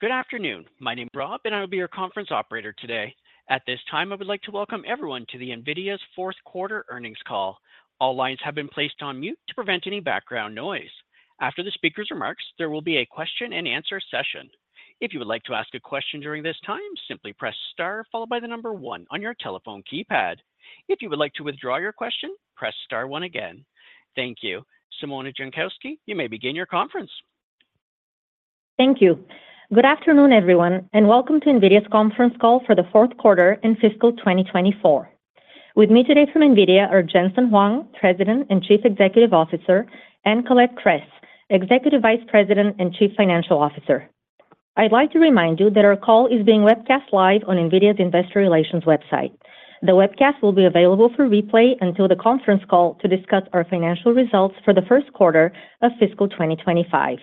Good afternoon. My name's Rob, and I will be your conference operator today. At this time, I would like to welcome everyone to NVIDIA's fourth quarter earnings call. All lines have been placed on mute to prevent any background noise. After the speaker's remarks, there will be a question-and-answer session. If you would like to ask a question during this time, simply press star followed by the number one on your telephone keypad. If you would like to withdraw your question, press star one again. Thank you. Simona Jankowski, you may begin your conference. Thank you. Good afternoon, everyone, and welcome to NVIDIA's conference call for the fourth quarter and fiscal 2024. With me today from NVIDIA are Jensen Huang, President and Chief Executive Officer, and Colette Kress, Executive Vice President and Chief Financial Officer. I'd like to remind you that our call is being webcast live on NVIDIA's Investor Relations website. The webcast will be available for replay until the conference call to discuss our financial results for the first quarter of fiscal 2025.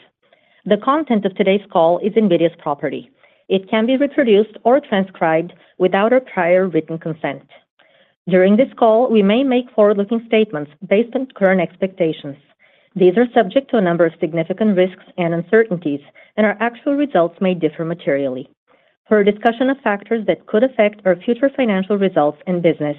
The content of today's call is NVIDIA's property. It can be reproduced or transcribed without our prior written consent. During this call, we may make forward-looking statements based on current expectations. These are subject to a number of significant risks and uncertainties, and our actual results may differ materially. For a discussion of factors that could affect our future financial results and business,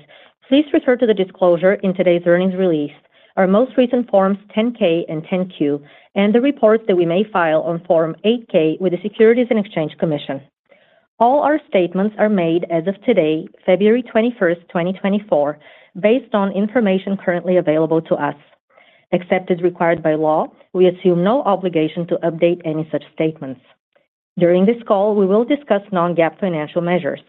please refer to the disclosure in today's earnings release, our most recent Forms 10-K and 10-Q, and the reports that we may file on Form 8-K with the Securities and Exchange Commission. All our statements are made as of today, February 21, 2024, based on information currently available to us. Except as required by law, we assume no obligation to update any such statements. During this call, we will discuss non-GAAP financial measures.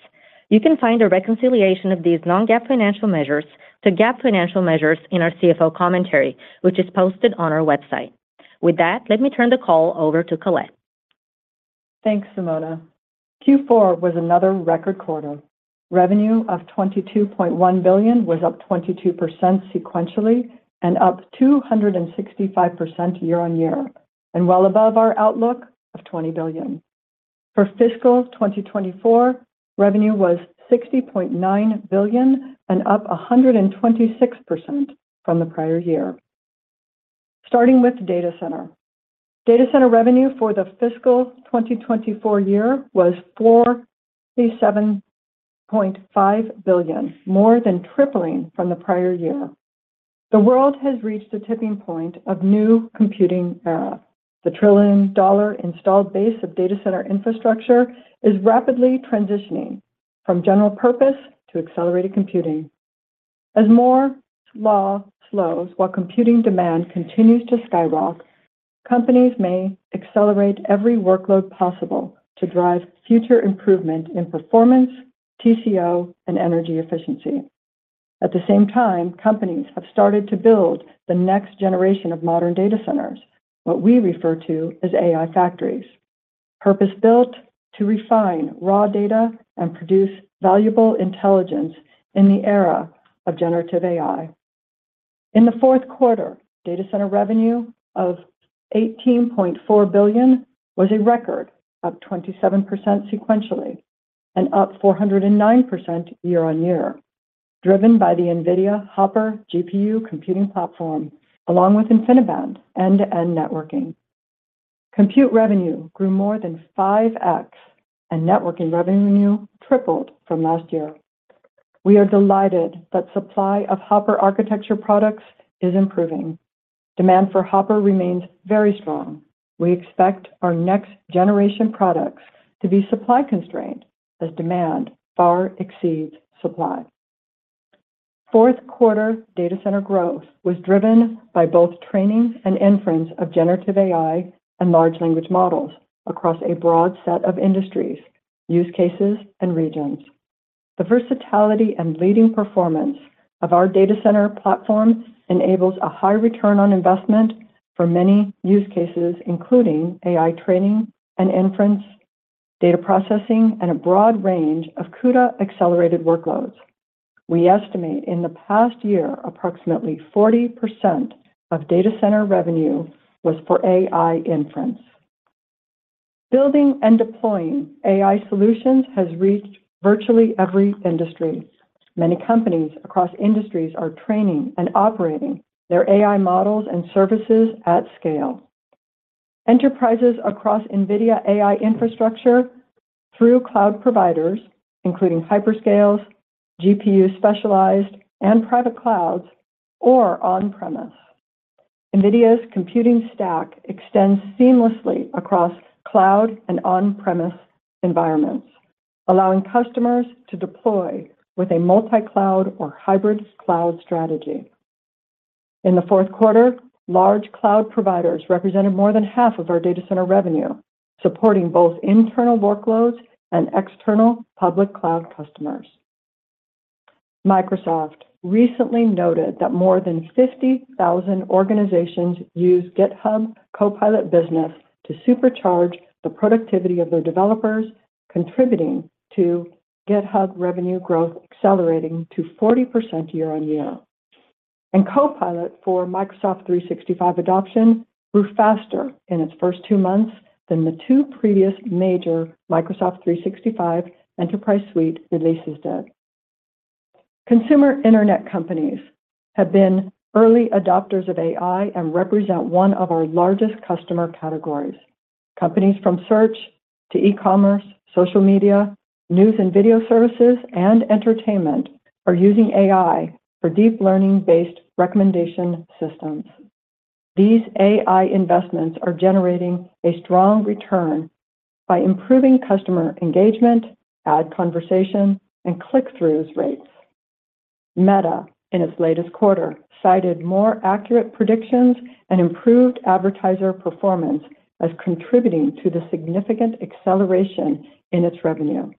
You can find a reconciliation of these non-GAAP financial measures to GAAP financial measures in our CFO commentary, which is posted on our website. With that, let me turn the call over to Colette. Thanks, Simona. Q4 was another record quarter. Revenue of $22.1 billion was up 22% sequentially and up 265% year-on-year, and well above our outlook of $20 billion. For fiscal 2024, revenue was $60.9 billion and up 126% from the prior year. Starting with data center. Data center revenue for the fiscal 2024 year was $47.5 billion, more than tripling from the prior year. The world has reached a tipping point of new computing era. The trillion-dollar installed base of data center infrastructure is rapidly transitioning from general purpose to accelerated computing. As Moore's Law slows while computing demand continues to skyrocket, companies may accelerate every workload possible to drive future improvement in performance, TCO, and energy efficiency. At the same time, companies have started to build the next generation of modern data centers, what we refer to as AI factories, purpose-built to refine raw data and produce valuable intelligence in the era of generative AI. In the fourth quarter, data center revenue of $18.4 billion was a record, up 27% sequentially and up 409% year-on-year, driven by the NVIDIA Hopper GPU computing platform, along with InfiniBand end-to-end networking. Compute revenue grew more than 5x, and networking revenue tripled from last year. We are delighted that supply of Hopper architecture products is improving. Demand for Hopper remains very strong. We expect our next-generation products to be supply-constrained as demand far exceeds supply. Fourth quarter data center growth was driven by both training and inference of generative AI and large language models across a broad set of industries, use cases, and regions. The versatility and leading performance of our data center platform enables a high return on investment for many use cases, including AI training and inference, data processing, and a broad range of CUDA-accelerated workloads. We estimate in the past year approximately 40% of data center revenue was for AI inference. Building and deploying AI solutions has reached virtually every industry. Many companies across industries are training and operating their AI models and services at scale. Enterprises across NVIDIA AI infrastructure through cloud providers, including hyperscalers, GPU specialized, and private clouds, or on-premise. NVIDIA's computing stack extends seamlessly across cloud and on-premise environments, allowing customers to deploy with a multi-cloud or hybrid cloud strategy. In the fourth quarter, large cloud providers represented more than half of our data center revenue, supporting both internal workloads and external public cloud customers. Microsoft recently noted that more than 50,000 organizations use GitHub Copilot Business to supercharge the productivity of their developers, contributing to GitHub revenue growth accelerating to 40% year-over-year. Copilot for Microsoft 365 adoption grew faster in its first two months than the two previous major Microsoft 365 enterprise suite releases did. Consumer internet companies have been early adopters of AI and represent one of our largest customer categories. Companies from search to e-commerce, social media, news and video services, and entertainment are using AI for deep learning-based recommendation systems. These AI investments are generating a strong return by improving customer engagement, ad conversion, and click-through rates. Meta, in its latest quarter, cited more accurate predictions and improved advertiser performance as contributing to the significant acceleration in its revenue.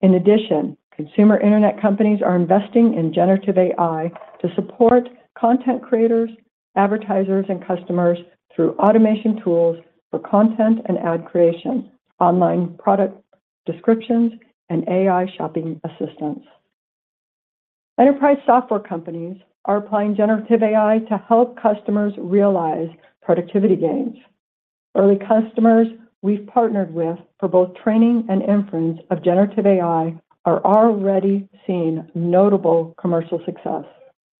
In addition, consumer internet companies are investing in generative AI to support content creators, advertisers, and customers through automation tools for content and ad creation, online product descriptions, and AI shopping assistance. Enterprise software companies are applying generative AI to help customers realize productivity gains. Early customers we've partnered with for both training and inference of generative AI are already seeing notable commercial success.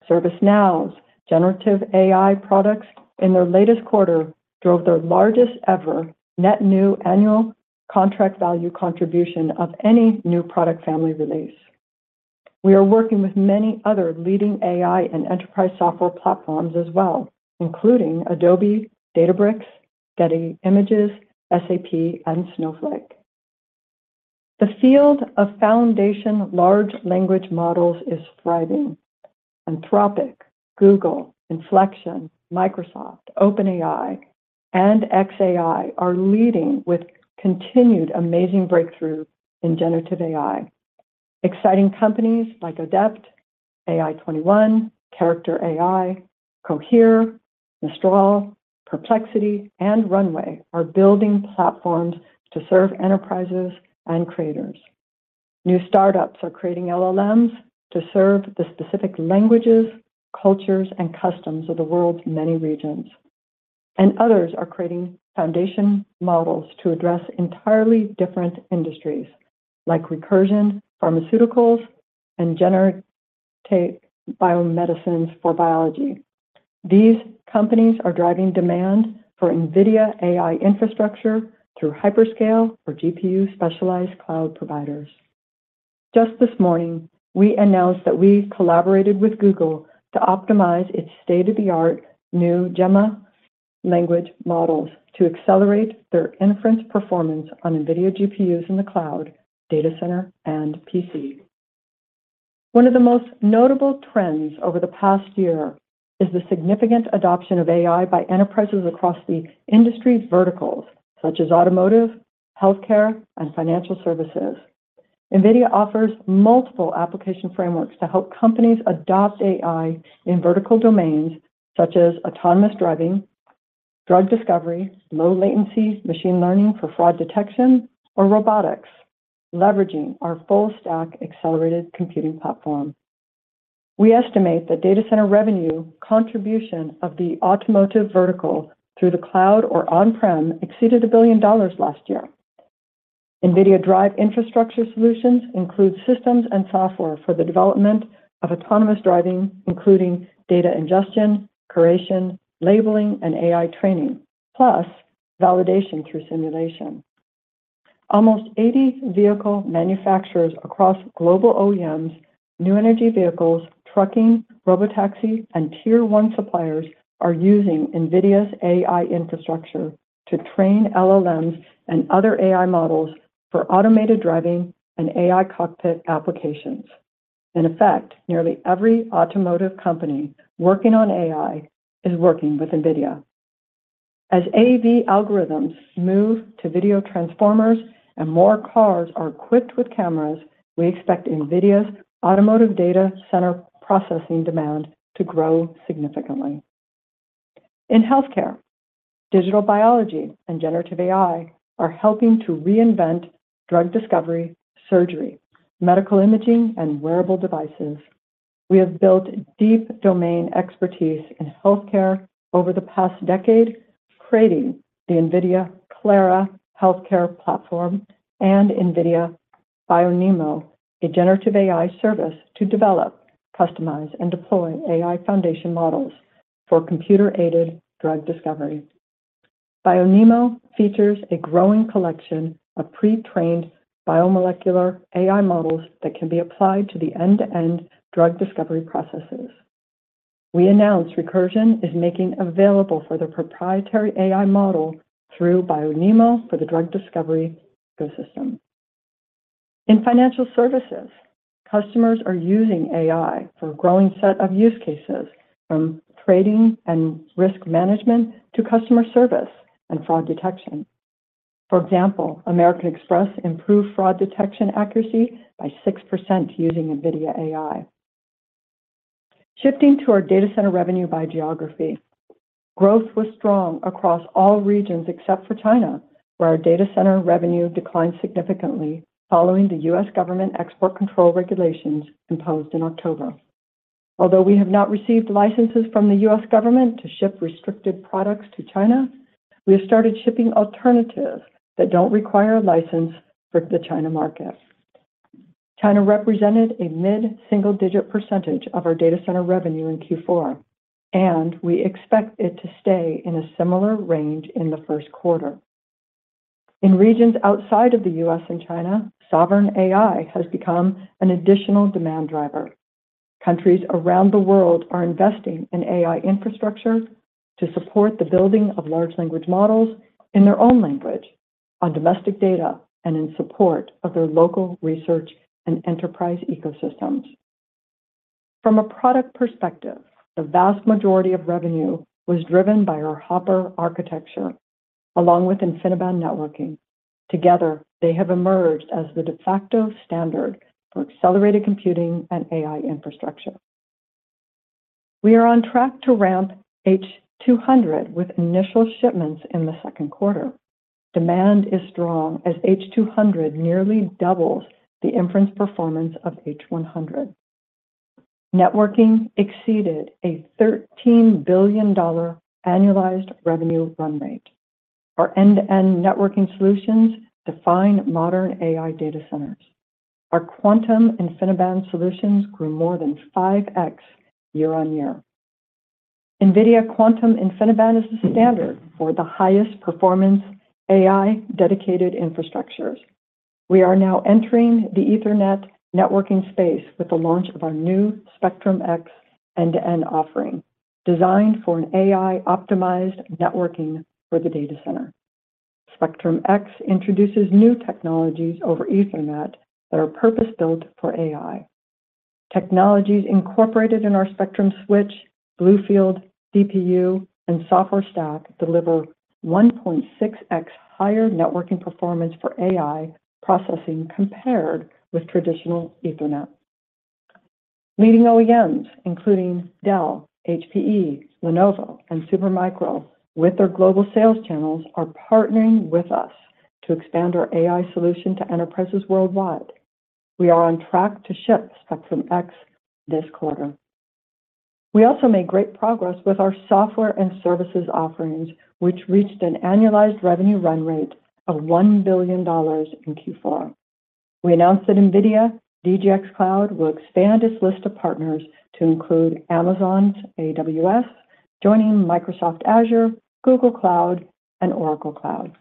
ServiceNow's generative AI products, in their latest quarter, drove their largest ever net new annual contract value contribution of any new product family release. We are working with many other leading AI and enterprise software platforms as well, including Adobe, Databricks, Getty Images, SAP, and Snowflake. The field of foundation large language models is thriving. Anthropic, Google, Inflection, Microsoft, OpenAI, and xAI are leading with continued amazing breakthroughs in generative AI. Exciting companies like Adept, AI21, Character AI, Cohere, Mistral, Perplexity, and Runway are building platforms to serve enterprises and creators. New startups are creating LLMs to serve the specific languages, cultures, and customs of the world's many regions. And others are creating foundation models to address entirely different industries, like Recursion, pharmaceuticals, and biomedicines for biology. These companies are driving demand for NVIDIA AI infrastructure through hyperscale or GPU specialized cloud providers. Just this morning, we announced that we collaborated with Google to optimize its state-of-the-art new Gemma language models to accelerate their inference performance on NVIDIA GPUs in the cloud, data center, and PC. One of the most notable trends over the past year is the significant adoption of AI by enterprises across the industry verticals, such as automotive, healthcare, and financial services. NVIDIA offers multiple application frameworks to help companies adopt AI in vertical domains, such as autonomous driving, drug discovery, low-latency machine learning for fraud detection, or robotics, leveraging our full-stack accelerated computing platform. We estimate that data center revenue contribution of the automotive vertical through the cloud or on-prem exceeded $1 billion last year. NVIDIA DRIVE infrastructure solutions include systems and software for the development of autonomous driving, including data ingestion, curation, labeling, and AI training, plus validation through simulation. Almost 80 vehicle manufacturers across global OEMs, new energy vehicles, trucking, robotaxi, and tier one suppliers are using NVIDIA's AI infrastructure to train LLMs and other AI models for automated driving and AI cockpit applications. In effect, nearly every automotive company working on AI is working with NVIDIA. As AV algorithms move to video transformers and more cars are equipped with cameras, we expect NVIDIA's automotive data center processing demand to grow significantly. In healthcare, digital biology and generative AI are helping to reinvent drug discovery, surgery, medical imaging, and wearable devices. We have built deep domain expertise in healthcare over the past decade, creating the NVIDIA Clara healthcare platform and NVIDIA BioNeMo, a generative AI service, to develop, customize, and deploy AI foundation models for computer-aided drug discovery. BioNeMo features a growing collection of pre-trained biomolecular AI models that can be applied to the end-to-end drug discovery processes. We announced Recursion is making available for their proprietary AI model through BioNeMo for the drug discovery ecosystem. In financial services, customers are using AI for a growing set of use cases, from trading and risk management to customer service and fraud detection. For example, American Express improved fraud detection accuracy by 6% using NVIDIA AI. Shifting to our data center revenue by geography. Growth was strong across all regions except for China, where our data center revenue declined significantly following the U.S. government export control regulations imposed in October. Although we have not received licenses from the U.S. government to ship restricted products to China, we have started shipping alternatives that don't require a license for the China market. China represented a mid-single-digit percentage of our data center revenue in Q4, and we expect it to stay in a similar range in the first quarter. In regions outside of the U.S. and China, Sovereign AI has become an additional demand driver. Countries around the world are investing in AI infrastructure to support the building of large language models in their own language, on domestic data, and in support of their local research and enterprise ecosystems. From a product perspective, the vast majority of revenue was driven by our Hopper architecture, along with InfiniBand networking. Together, they have emerged as the de facto standard for accelerated computing and AI infrastructure. We are on track to ramp H200 with initial shipments in the second quarter. Demand is strong as H200 nearly doubles the inference performance of H100. Networking exceeded a $13 billion annualized revenue run rate. Our end-to-end networking solutions define modern AI data centers. Our Quantum InfiniBand solutions grew more than 5x year-on-year. NVIDIA Quantum InfiniBand is the standard for the highest performance AI dedicated infrastructures. We are now entering the Ethernet networking space with the launch of our new Spectrum-X end-to-end offering, designed for an AI-optimized networking for the data center. Spectrum-X introduces new technologies over Ethernet that are purpose-built for AI. Technologies incorporated in our Spectrum switch, BlueField DPU, and software stack deliver 1.6X higher networking performance for AI processing compared with traditional Ethernet. Leading OEMs, including Dell, HPE, Lenovo, and Supermicro with their global sales channels, are partnering with us to expand our AI solution to enterprises worldwide. We are on track to ship Spectrum-X this quarter. We also made great progress with our software and services offerings, which reached an annualized revenue run rate of $1 billion in Q4. We announced that NVIDIA DGX Cloud will expand its list of partners to include Amazon's AWS, joining Microsoft Azure, Google Cloud, and Oracle Cloud.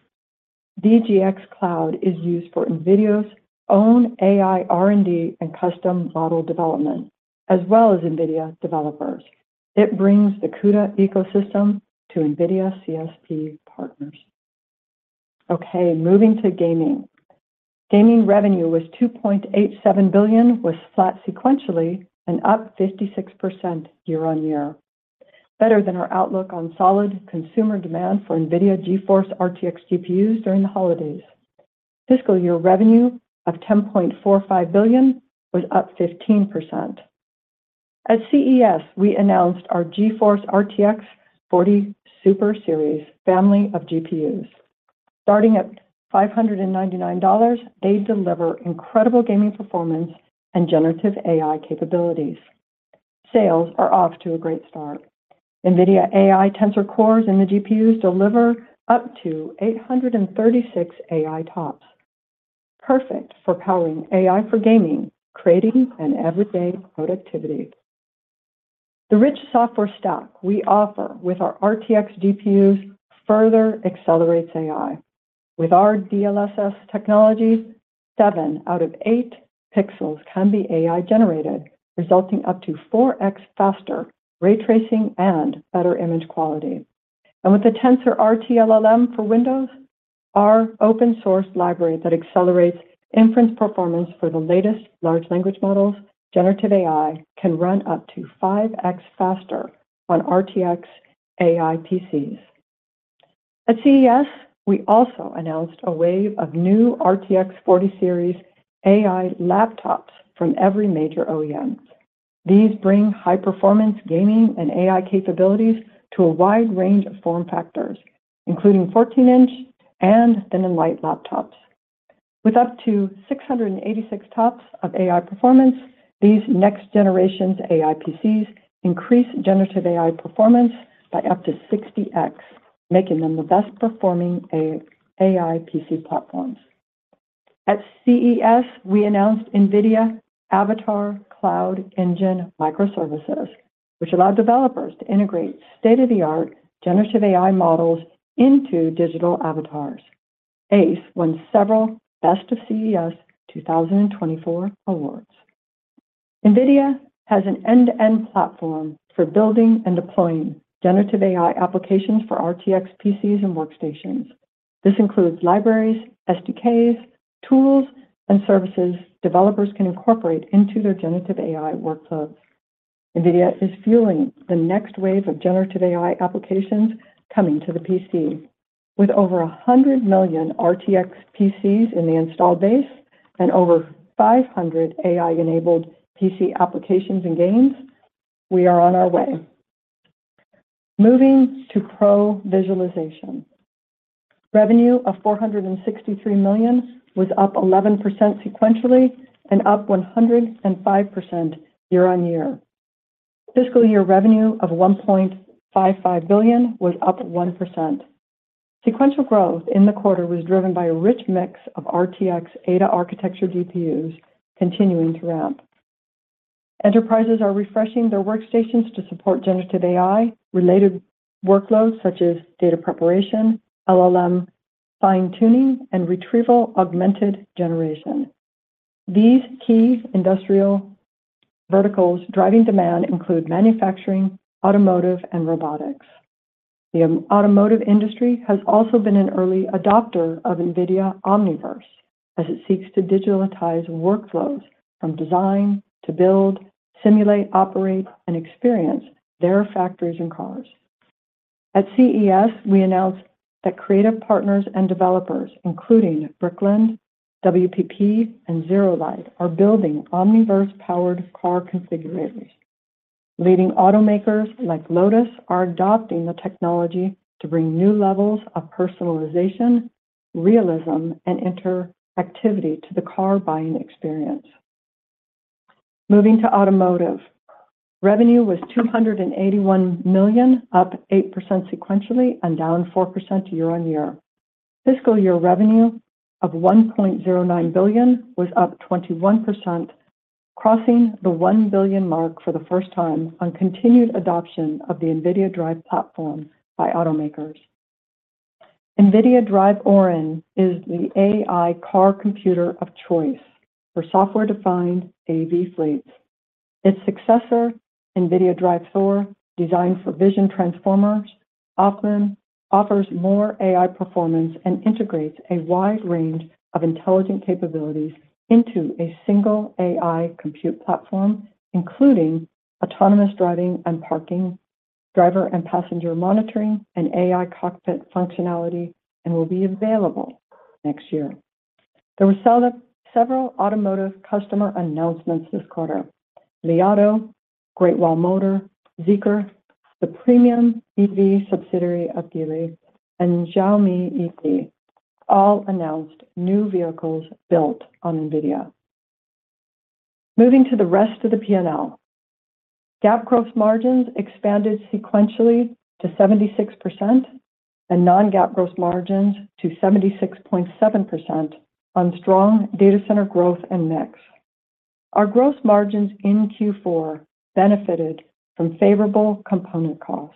DGX Cloud is used for NVIDIA's own AI R&D and custom model development, as well as NVIDIA developers. It brings the CUDA ecosystem to NVIDIA CSP partners. Okay, moving to gaming. Gaming revenue was $2.87 billion, flat sequentially and up 56% year-over-year, better than our outlook on solid consumer demand for NVIDIA GeForce RTX GPUs during the holidays. Fiscal year revenue of $10.45 billion was up 15%. At CES, we announced our GeForce RTX 40 Super Series family of GPUs. Starting at $599, they deliver incredible gaming performance and generative AI capabilities. Sales are off to a great start. NVIDIA AI Tensor Cores in the GPUs deliver up to 836 AI TOPS, perfect for powering AI for gaming, creating, and everyday productivity. The rich software stack we offer with our RTX GPUs further accelerates AI. With our DLSS technology, 7 out of 8 pixels can be AI generated, resulting up to 4x faster ray tracing and better image quality. With the TensorRT-LLM for Windows, our open-source library that accelerates inference performance for the latest large language models, generative AI can run up to 5x faster on RTX AI PCs. At CES, we also announced a wave of new RTX 40 Series AI laptops from every major OEM. These bring high-performance gaming and AI capabilities to a wide range of form factors, including 14-inch and thin and light laptops. With up to 686 TOPS of AI performance, these next-generation AI PCs increase generative AI performance by up to 60x, making them the best performing AI PC platforms. At CES, we announced NVIDIA Avatar Cloud Engine Microservices, which allowed developers to integrate state-of-the-art generative AI models into digital avatars. ACE won several Best of CES 2024 awards. NVIDIA has an end-to-end platform for building and deploying generative AI applications for RTX PCs and workstations. This includes libraries, SDKs, tools, and services developers can incorporate into their generative AI workflows. NVIDIA is fueling the next wave of generative AI applications coming to the PC. With over 100 million RTX PCs in the installed base and over 500 AI-enabled PC applications and games, we are on our way. Moving to pro-visualization. Revenue of $463 million was up 11% sequentially and up 105% year-over-year. Fiscal year revenue of $1.55 billion was up 1%. Sequential growth in the quarter was driven by a rich mix of RTX Ada architecture GPUs continuing to ramp. Enterprises are refreshing their workstations to support generative AI-related workloads such as data preparation, LLM fine-tuning, and retrieval-augmented generation. These key industrial verticals driving demand include manufacturing, automotive, and robotics. The automotive industry has also been an early adopter of NVIDIA Omniverse as it seeks to digitalize workflows from design to build, simulate, operate, and experience their factories and cars. At CES, we announced that creative partners and developers, including Brickland, WPP, and ZeroLight, are building Omniverse-powered car configurators. Leading automakers like Lotus are adopting the technology to bring new levels of personalization, realism, and interactivity to the car buying experience. Moving to automotive. Revenue was $281 million, up 8% sequentially and down 4% year-on-year. Fiscal year revenue of $1.09 billion was up 21%, crossing the $1 billion mark for the first time on continued adoption of the NVIDIA DRIVE platform by automakers. NVIDIA DRIVE Orin is the AI car computer of choice for software-defined AV fleets. Its successor, NVIDIA DRIVE Thor, designed for Vision Transformers, offers more AI performance and integrates a wide range of intelligent capabilities into a single AI compute platform, including autonomous driving and parking, driver and passenger monitoring, and AI cockpit functionality, and will be available next year. There were several automotive customer announcements this quarter. Li Auto, Great Wall Motor, Zeekr, the premium EV subsidiary of Geely, and Xiaomi EV all announced new vehicles built on NVIDIA. Moving to the rest of the P&L. GAAP gross margins expanded sequentially to 76% and non-GAAP gross margins to 76.7% on strong data center growth and mix. Our gross margins in Q4 benefited from favorable component costs.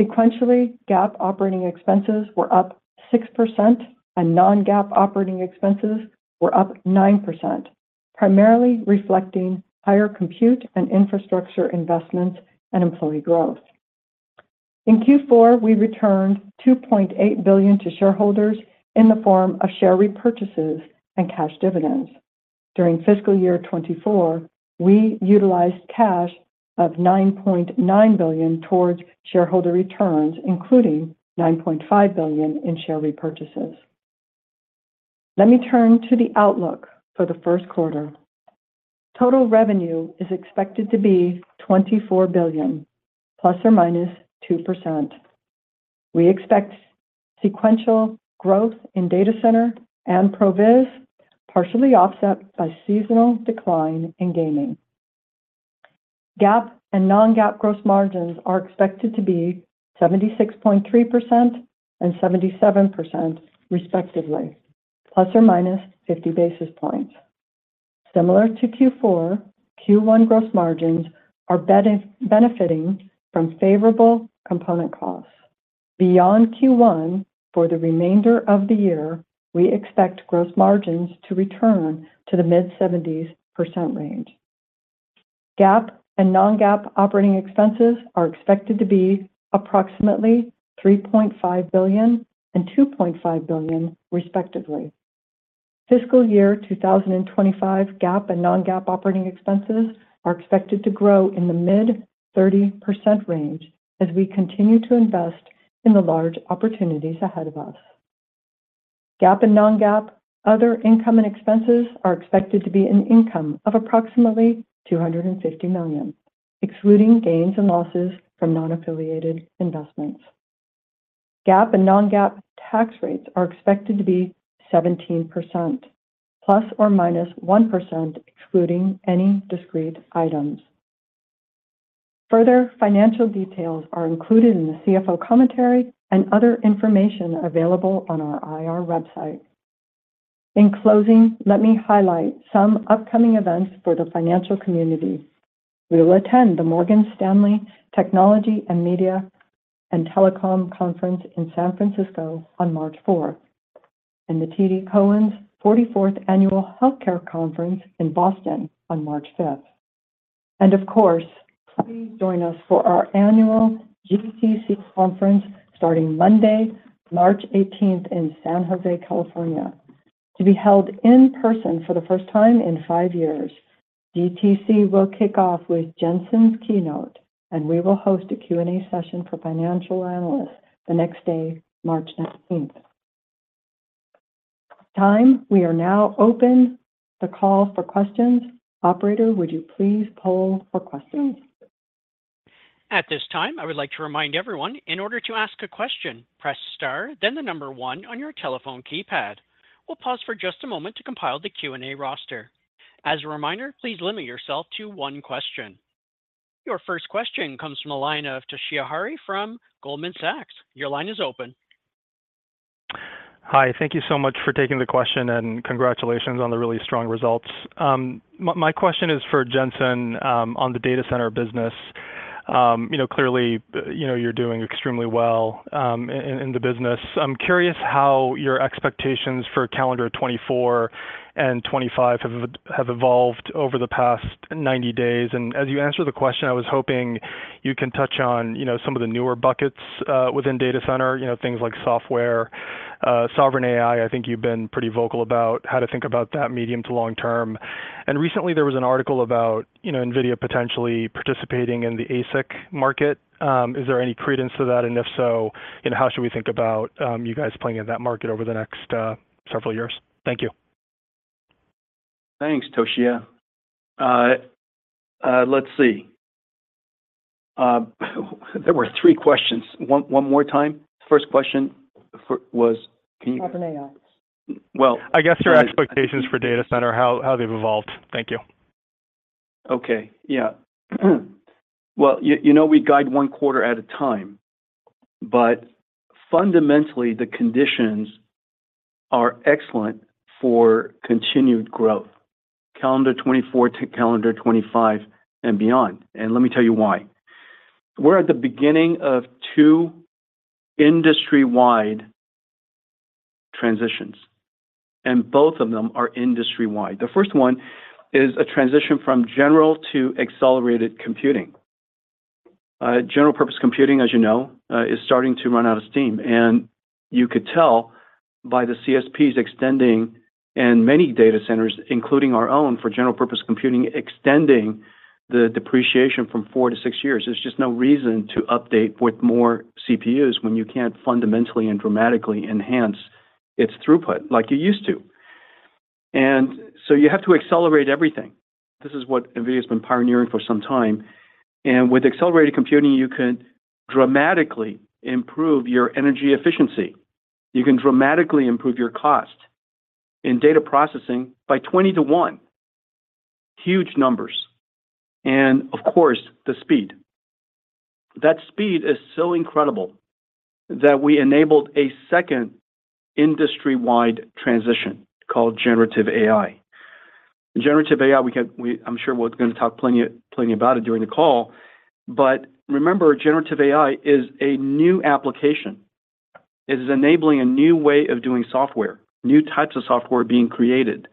Sequentially, GAAP operating expenses were up 6% and non-GAAP operating expenses were up 9%, primarily reflecting higher compute and infrastructure investments and employee growth. In Q4, we returned $2.8 billion to shareholders in the form of share repurchases and cash dividends. During fiscal year 2024, we utilized cash of $9.9 billion towards shareholder returns, including $9.5 billion in share repurchases. Let me turn to the outlook for the first quarter. Total revenue is expected to be $24 billion, ±2%. We expect sequential growth in data center and pro-viz, partially offset by seasonal decline in gaming. GAAP and non-GAAP gross margins are expected to be 76.3% and 77%, respectively, ±50 basis points. Similar to Q4, Q1 gross margins are benefiting from favorable component costs. Beyond Q1, for the remainder of the year, we expect gross margins to return to the mid-70s% range. GAAP and non-GAAP operating expenses are expected to be approximately $3.5 billion and $2.5 billion, respectively. Fiscal year 2025 GAAP and non-GAAP operating expenses are expected to grow in the mid-30% range as we continue to invest in the large opportunities ahead of us. GAAP and non-GAAP other income and expenses are expected to be an income of approximately $250 million, excluding gains and losses from non-affiliated investments. GAAP and non-GAAP tax rates are expected to be 17% ±1% excluding any discrete items. Further financial details are included in the CFO commentary and other information available on our IR website. In closing, let me highlight some upcoming events for the financial community. We will attend the Morgan Stanley Technology and Media and Telecom Conference in San Francisco on March 4th and the TD Cowen's 44th Annual Healthcare Conference in Boston on March 5th. And of course, please join us for our annual GTC Conference starting Monday, March 18th, in San Jose, California. To be held in person for the first time in five years, GTC will kick off with Jensen's keynote, and we will host a Q&A session for financial analysts the next day, March 19th. Time. We are now open the call for questions. Operator, would you please poll for questions? At this time, I would like to remind everyone, in order to ask a question, press star, then the number one on your telephone keypad. We'll pause for just a moment to compile the Q&A roster. As a reminder, please limit yourself to one question. Your first question comes from the line of Toshiya Hari from Goldman Sachs. Your line is open. Hi. Thank you so much for taking the question, and congratulations on the really strong results. My question is for Jensen on the data center business. Clearly, you're doing extremely well in the business. I'm curious how your expectations for calendar 2024 and 2025 have evolved over the past 90 days. And as you answer the question, I was hoping you can touch on some of the newer buckets within data center, things like software. Sovereign AI, I think you've been pretty vocal about how to think about that medium to long term. And recently, there was an article about NVIDIA potentially participating in the ASIC market. Is there any credence to that? And if so, how should we think about you guys playing in that market over the next several years? Thank you. Thanks, Toshiya. Let's see. There were three questions. One more time? First question was, can you? Sovereign AI. Well, I guess your expectations for data center, how they've evolved. Thank you. Okay. Yeah. Well, we guide one quarter at a time, but fundamentally, the conditions are excellent for continued growth, calendar 2024 to calendar 2025 and beyond. And let me tell you why. We're at the beginning of two industry-wide transitions, and both of them are industry-wide. The first one is a transition from general to accelerated computing. General-purpose computing, as you know, is starting to run out of steam. And you could tell by the CSPs extending and many data centers, including our own for general-purpose computing, extending the depreciation from 4-6 years. There's just no reason to update with more CPUs when you can't fundamentally and dramatically enhance its throughput like you used to. And so you have to accelerate everything. This is what NVIDIA has been pioneering for some time. And with accelerated computing, you can dramatically improve your energy efficiency. You can dramatically improve your cost in data processing by 20-to-1, huge numbers. And of course, the speed. That speed is so incredible that we enabled a second industry-wide transition called Generative AI. Generative AI, I'm sure we're going to talk plenty about it during the call. But remember, Generative AI is a new application. It is enabling a new way of doing software, new types of software being created.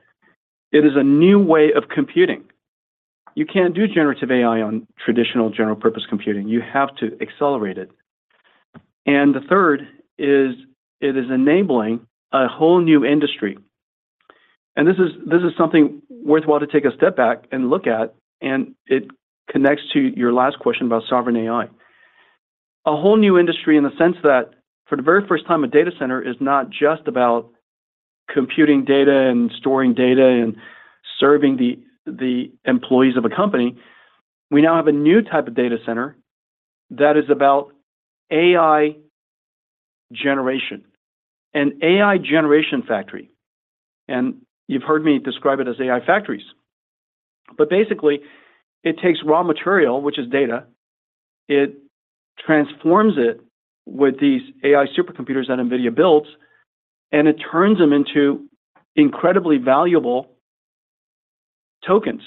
It is a new way of computing. You can't do Generative AI on traditional general-purpose computing. You have to accelerate it. And the third is it is enabling a whole new industry. And this is something worthwhile to take a step back and look at, and it connects to your last question about Sovereign AI. A whole new industry in the sense that for the very first time, a data center is not just about computing data and storing data and serving the employees of a company. We now have a new type of data center that is about AI generation, an AI generation factory. You've heard me describe it as AI factories. But basically, it takes raw material, which is data, it transforms it with these AI supercomputers that NVIDIA builds, and it turns them into incredibly valuable tokens.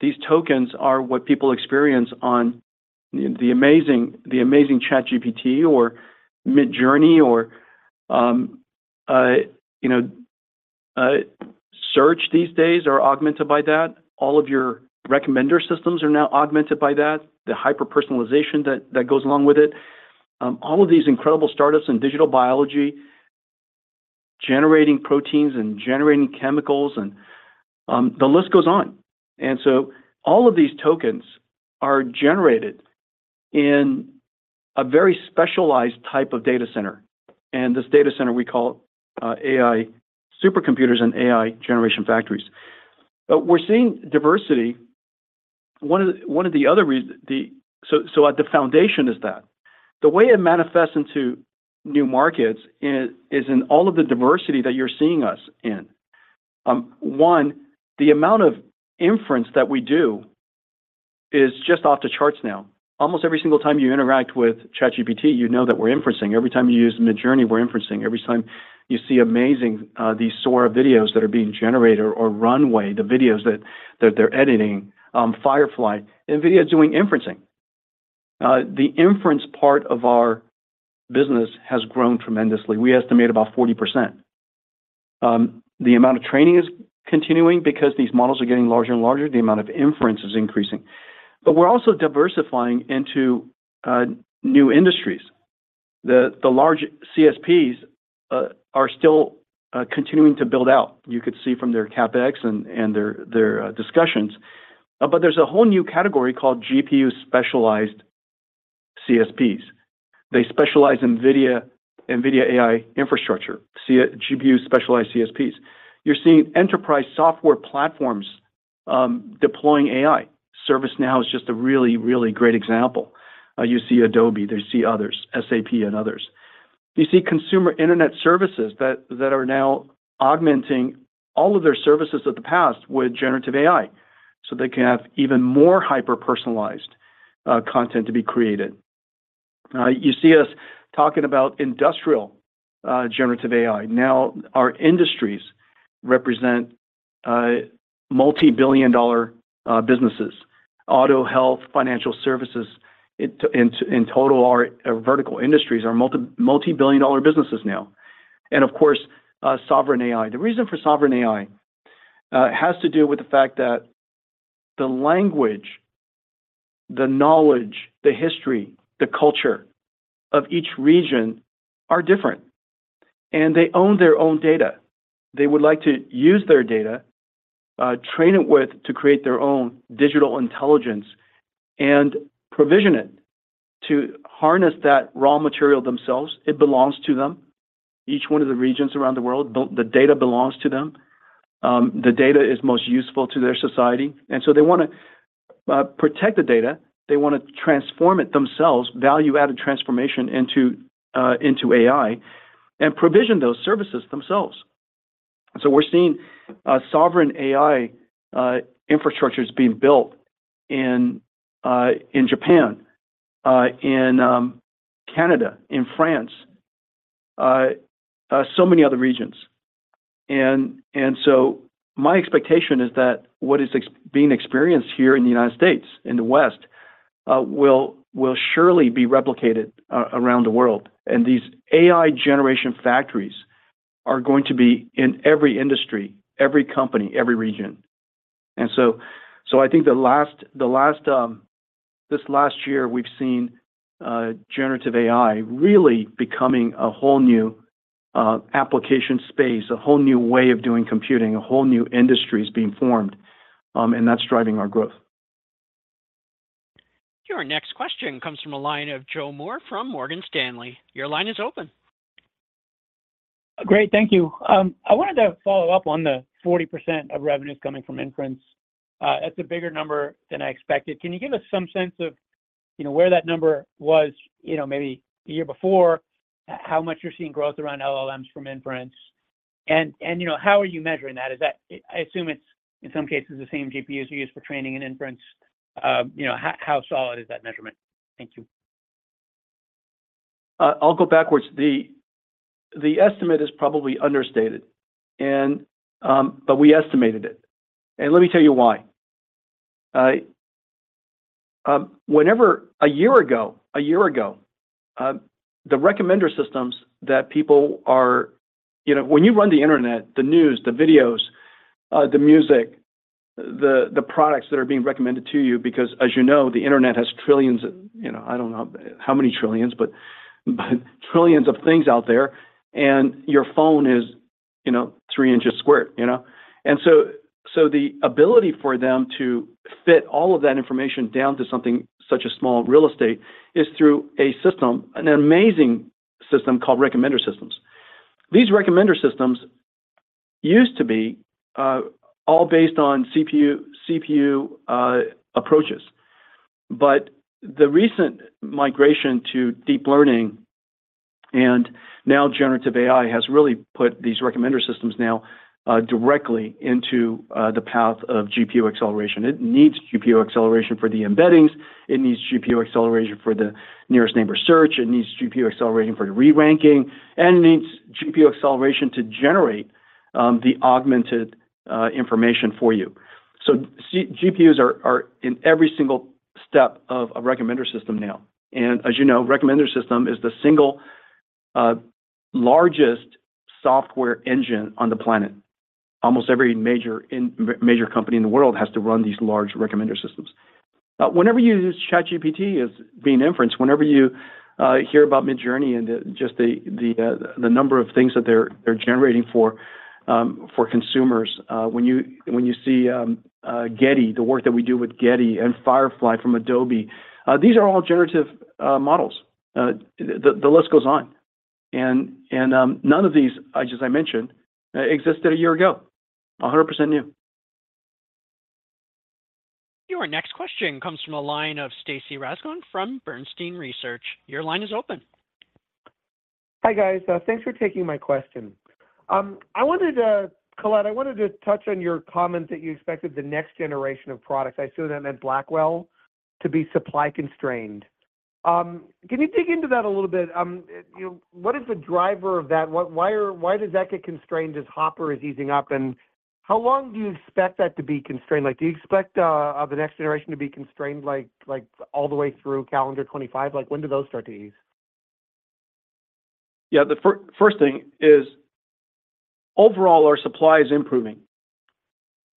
These tokens are what people experience on the amazing ChatGPT or Midjourney or search these days are augmented by that. All of your recommender systems are now augmented by that, the hyper-personalization that goes along with it. All of these incredible startups in digital biology generating proteins and generating chemicals, and the list goes on. All of these tokens are generated in a very specialized type of data center. This data center, we call it AI supercomputers and AI generation factories. We're seeing diversity. One of the other reasons so the foundation is that. The way it manifests into new markets is in all of the diversity that you're seeing us in. One, the amount of inference that we do is just off the charts now. Almost every single time you interact with ChatGPT, you know that we're inferencing. Every time you use Midjourney, we're inferencing. Every time you see amazing these Sora videos that are being generated or Runway, the videos that they're editing, Firefly, NVIDIA is doing inferencing. The inference part of our business has grown tremendously. We estimate about 40%. The amount of training is continuing because these models are getting larger and larger. The amount of inference is increasing. But we're also diversifying into new industries. The large CSPs are still continuing to build out. You could see from their CapEx and their discussions. But there's a whole new category called GPU-specialized CSPs. They specialize in NVIDIA AI infrastructure, GPU-specialized CSPs. You're seeing enterprise software platforms deploying AI. ServiceNow is just a really, really great example. You see Adobe. You see others, SAP and others. You see consumer internet services that are now augmenting all of their services of the past with generative AI so they can have even more hyper-personalized content to be created. You see us talking about industrial generative AI. Now, our industries represent multi-billion-dollar businesses. Auto, health, financial services, in total, our vertical industries are multi-billion-dollar businesses now. And of course, Sovereign AI. The reason for Sovereign AI has to do with the fact that the language, the knowledge, the history, the culture of each region are different, and they own their own data. They would like to use their data, train it with to create their own digital intelligence, and provision it to harness that raw material themselves. It belongs to them, each one of the regions around the world. The data belongs to them. The data is most useful to their society. And so they want to protect the data. They want to transform it themselves, value-added transformation into AI, and provision those services themselves. So we're seeing Sovereign AI infrastructures being built in Japan, in Canada, in France, so many other regions. And so my expectation is that what is being experienced here in the United States, in the West, will surely be replicated around the world. And these AI generation factories are going to be in every industry, every company, every region. And so I think this last year, we've seen generative AI really becoming a whole new application space, a whole new way of doing computing, a whole new industry is being formed, and that's driving our growth. Your next question comes from a line of Joe Moore from Morgan Stanley. Your line is open. Great. Thank you. I wanted to follow up on the 40% of revenues coming from inference. That's a bigger number than I expected. Can you give us some sense of where that number was maybe a year before, how much you're seeing growth around LLMs from inference, and how are you measuring that? I assume it's, in some cases, the same GPUs you use for training and inference. How solid is that measurement? Thank you. I'll go backwards. The estimate is probably understated, but we estimated it. And let me tell you why. A year ago, the recommender systems that people are when you run the internet, the news, the videos, the music, the products that are being recommended to you because, as you know, the internet has trillions of—I don't know how many trillions, but trillions of—things out there, and your phone is 3 inches squared. And so the ability for them to fit all of that information down to something such as small real estate is through an amazing system called recommender systems. These recommender systems used to be all based on CPU approaches. But the recent migration to deep learning and now generative AI has really put these recommender systems now directly into the path of GPU acceleration. It needs GPU acceleration for the embeddings. It needs GPU acceleration for the nearest neighbor search. It needs GPU acceleration for re-ranking. And it needs GPU acceleration to generate the augmented information for you. So GPUs are in every single step of a recommender system now. As you know, recommender system is the single largest software engine on the planet. Almost every major company in the world has to run these large recommender systems. Whenever you use ChatGPT as being inference, whenever you hear about Midjourney and just the number of things that they're generating for consumers, when you see Getty, the work that we do with Getty and Firefly from Adobe, these are all generative models. The list goes on. None of these, as I mentioned, existed a year ago, 100% new. Your next question comes from a line of Stacy Rasgon from Bernstein Research. Your line is open. Hi, guys. Thanks for taking my question. Colette, I wanted to touch on your comment that you expected the next generation of products. I assume that meant Blackwell to be supply-constrained. Can you dig into that a little bit? What is the driver of that? Why does that get constrained as Hopper is easing up? How long do you expect that to be constrained? Do you expect the next generation to be constrained all the way through calendar 2025? When do those start to ease? Yeah. The first thing is, overall, our supply is improving,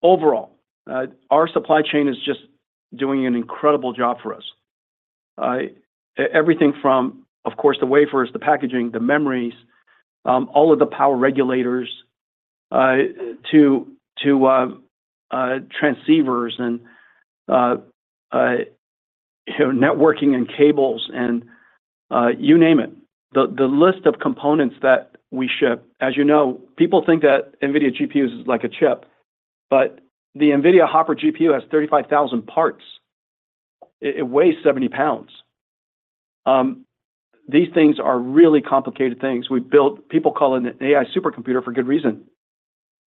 overall. Our supply chain is just doing an incredible job for us. Everything from, of course, the wafers, the packaging, the memories, all of the power regulators to transceivers and networking and cables and you name it. The list of components that we ship, as you know, people think that NVIDIA GPUs is like a chip. But the NVIDIA Hopper GPU has 35,000 parts. It weighs 70 pounds. These things are really complicated things. People call it an AI supercomputer for good reason.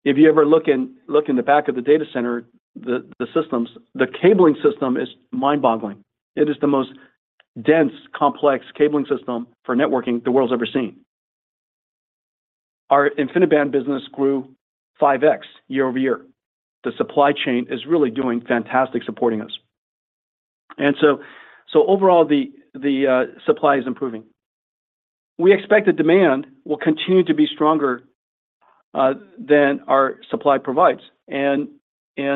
If you ever look in the back of the data center, the systems, the cabling system is mind-boggling. It is the most dense, complex cabling system for networking the world has ever seen. Our InfiniBand business grew 5x year-over-year. The supply chain is really doing fantastic, supporting us. And so overall, the supply is improving. We expect the demand will continue to be stronger than our supply provides through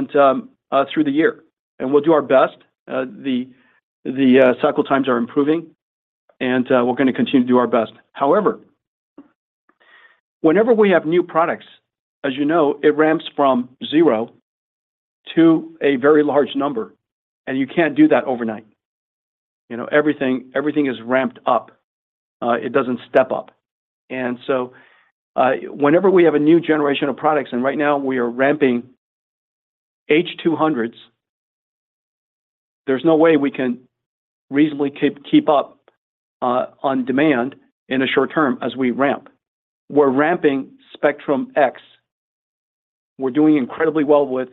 the year. We'll do our best. The cycle times are improving, and we're going to continue to do our best. However, whenever we have new products, as you know, it ramps from zero to a very large number. You can't do that overnight. Everything is ramped up. It doesn't step up. So whenever we have a new generation of products and right now, we are ramping H200s, there's no way we can reasonably keep up on demand in a short term as we ramp. We're ramping Spectrum-X. We're doing incredibly well with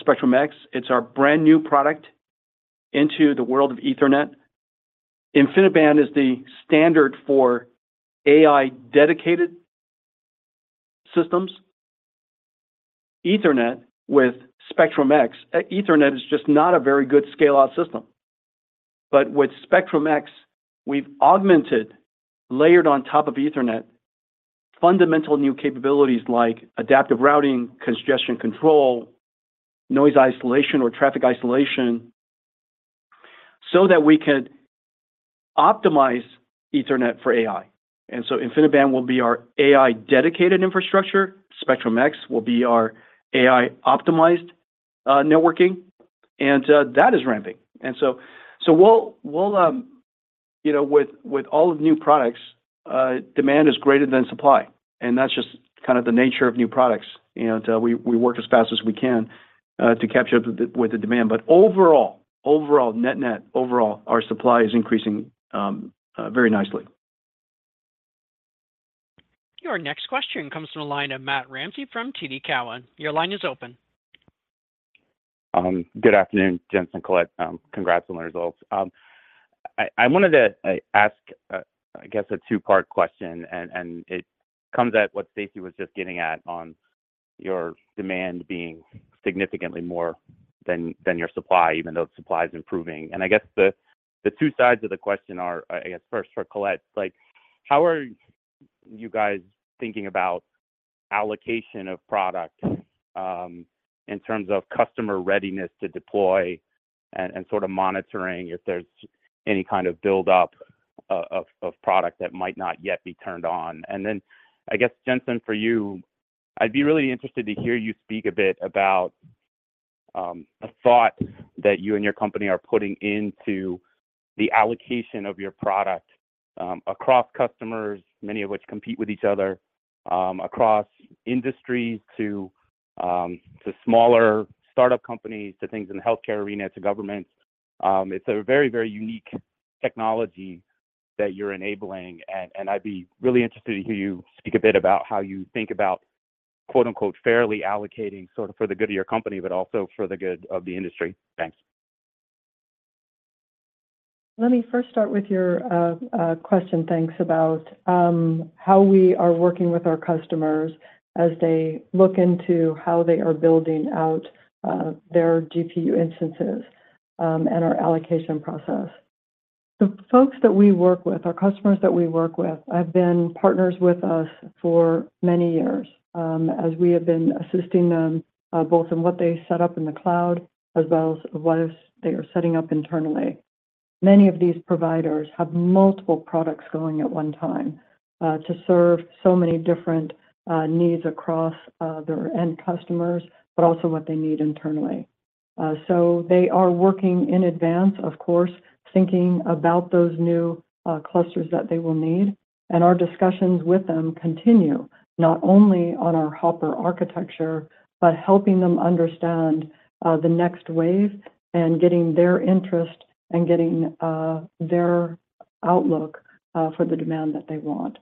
Spectrum-X. It's our brand new product into the world of Ethernet. InfiniBand is the standard for AI-dedicated systems. Ethernet with Spectrum-X Ethernet is just not a very good scale-out system. But with Spectrum-X, we've augmented, layered on top of Ethernet fundamental new capabilities like adaptive routing, congestion control, noise isolation, or traffic isolation so that we could optimize Ethernet for AI. And so InfiniBand will be our AI-dedicated infrastructure. Spectrum-X will be our AI-optimized networking. And that is ramping. And so with all of new products, demand is greater than supply. And that's just kind of the nature of new products. And we work as fast as we can to catch up with the demand. But overall, overall, net-net, overall, our supply is increasing very nicely. Your next question comes from a line of Matt Ramsey from TD Cowen. Your line is open. Good afternoon, Jensen and Colette. Congrats on the results. I wanted to ask, I guess, a two-part question. It comes at what Stacy was just getting at on your demand being significantly more than your supply, even though supply is improving. I guess the two sides of the question are, I guess, first, for Colette, how are you guys thinking about allocation of product in terms of customer readiness to deploy and sort of monitoring if there's any kind of buildup of product that might not yet be turned on? Then, I guess, Jensen, for you, I'd be really interested to hear you speak a bit about a thought that you and your company are putting into the allocation of your product across customers, many of which compete with each other, across industries to smaller startup companies, to things in the healthcare arena, to governments. It's a very, very unique technology that you're enabling. I'd be really interested to hear you speak a bit about how you think about "fairly allocating" sort of for the good of your company, but also for the good of the industry. Thanks. Let me first start with your question, thanks, about how we are working with our customers as they look into how they are building out their GPU instances and our allocation process. The folks that we work with, our customers that we work with, have been partners with us for many years as we have been assisting them both in what they set up in the cloud as well as what they are setting up internally. Many of these providers have multiple products going at one time to serve so many different needs across their end customers, but also what they need internally. So they are working in advance, of course, thinking about those new clusters that they will need. Our discussions with them continue not only on our Hopper architecture, but helping them understand the next wave and getting their interest and getting their outlook for the demand that they want.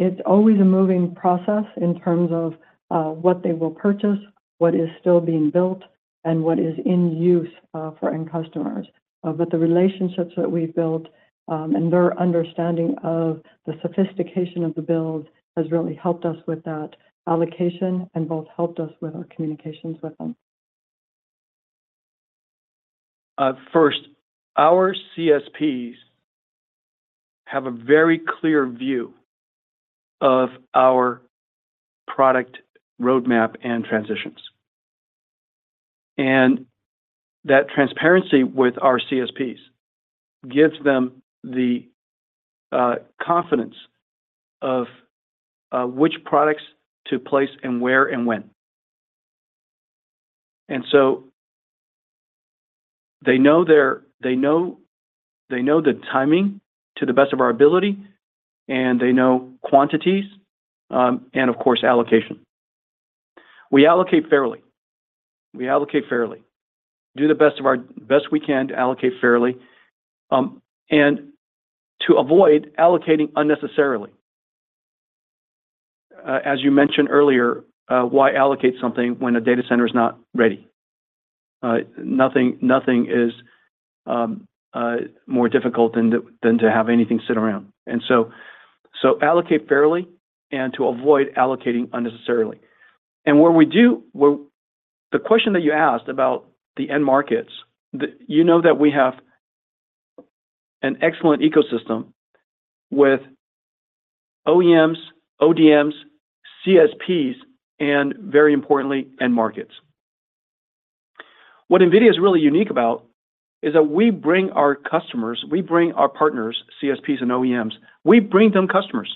It's always a moving process in terms of what they will purchase, what is still being built, and what is in use for end customers. The relationships that we've built and their understanding of the sophistication of the build has really helped us with that allocation and both helped us with our communications with them. First, our CSPs have a very clear view of our product roadmap and transitions. That transparency with our CSPs gives them the confidence of which products to place and where and when. So they know the timing to the best of our ability, and they know quantities and, of course, allocation. We allocate fairly. We allocate fairly. Do the best we can, allocate fairly. To avoid allocating unnecessarily, as you mentioned earlier, why allocate something when a data center is not ready? Nothing is more difficult than to have anything sit around. So allocate fairly and to avoid allocating unnecessarily. And where we do the question that you asked about the end markets, you know that we have an excellent ecosystem with OEMs, ODMs, CSPs, and very importantly, end markets. What NVIDIA is really unique about is that we bring our customers, we bring our partners, CSPs, and OEMs, we bring them customers.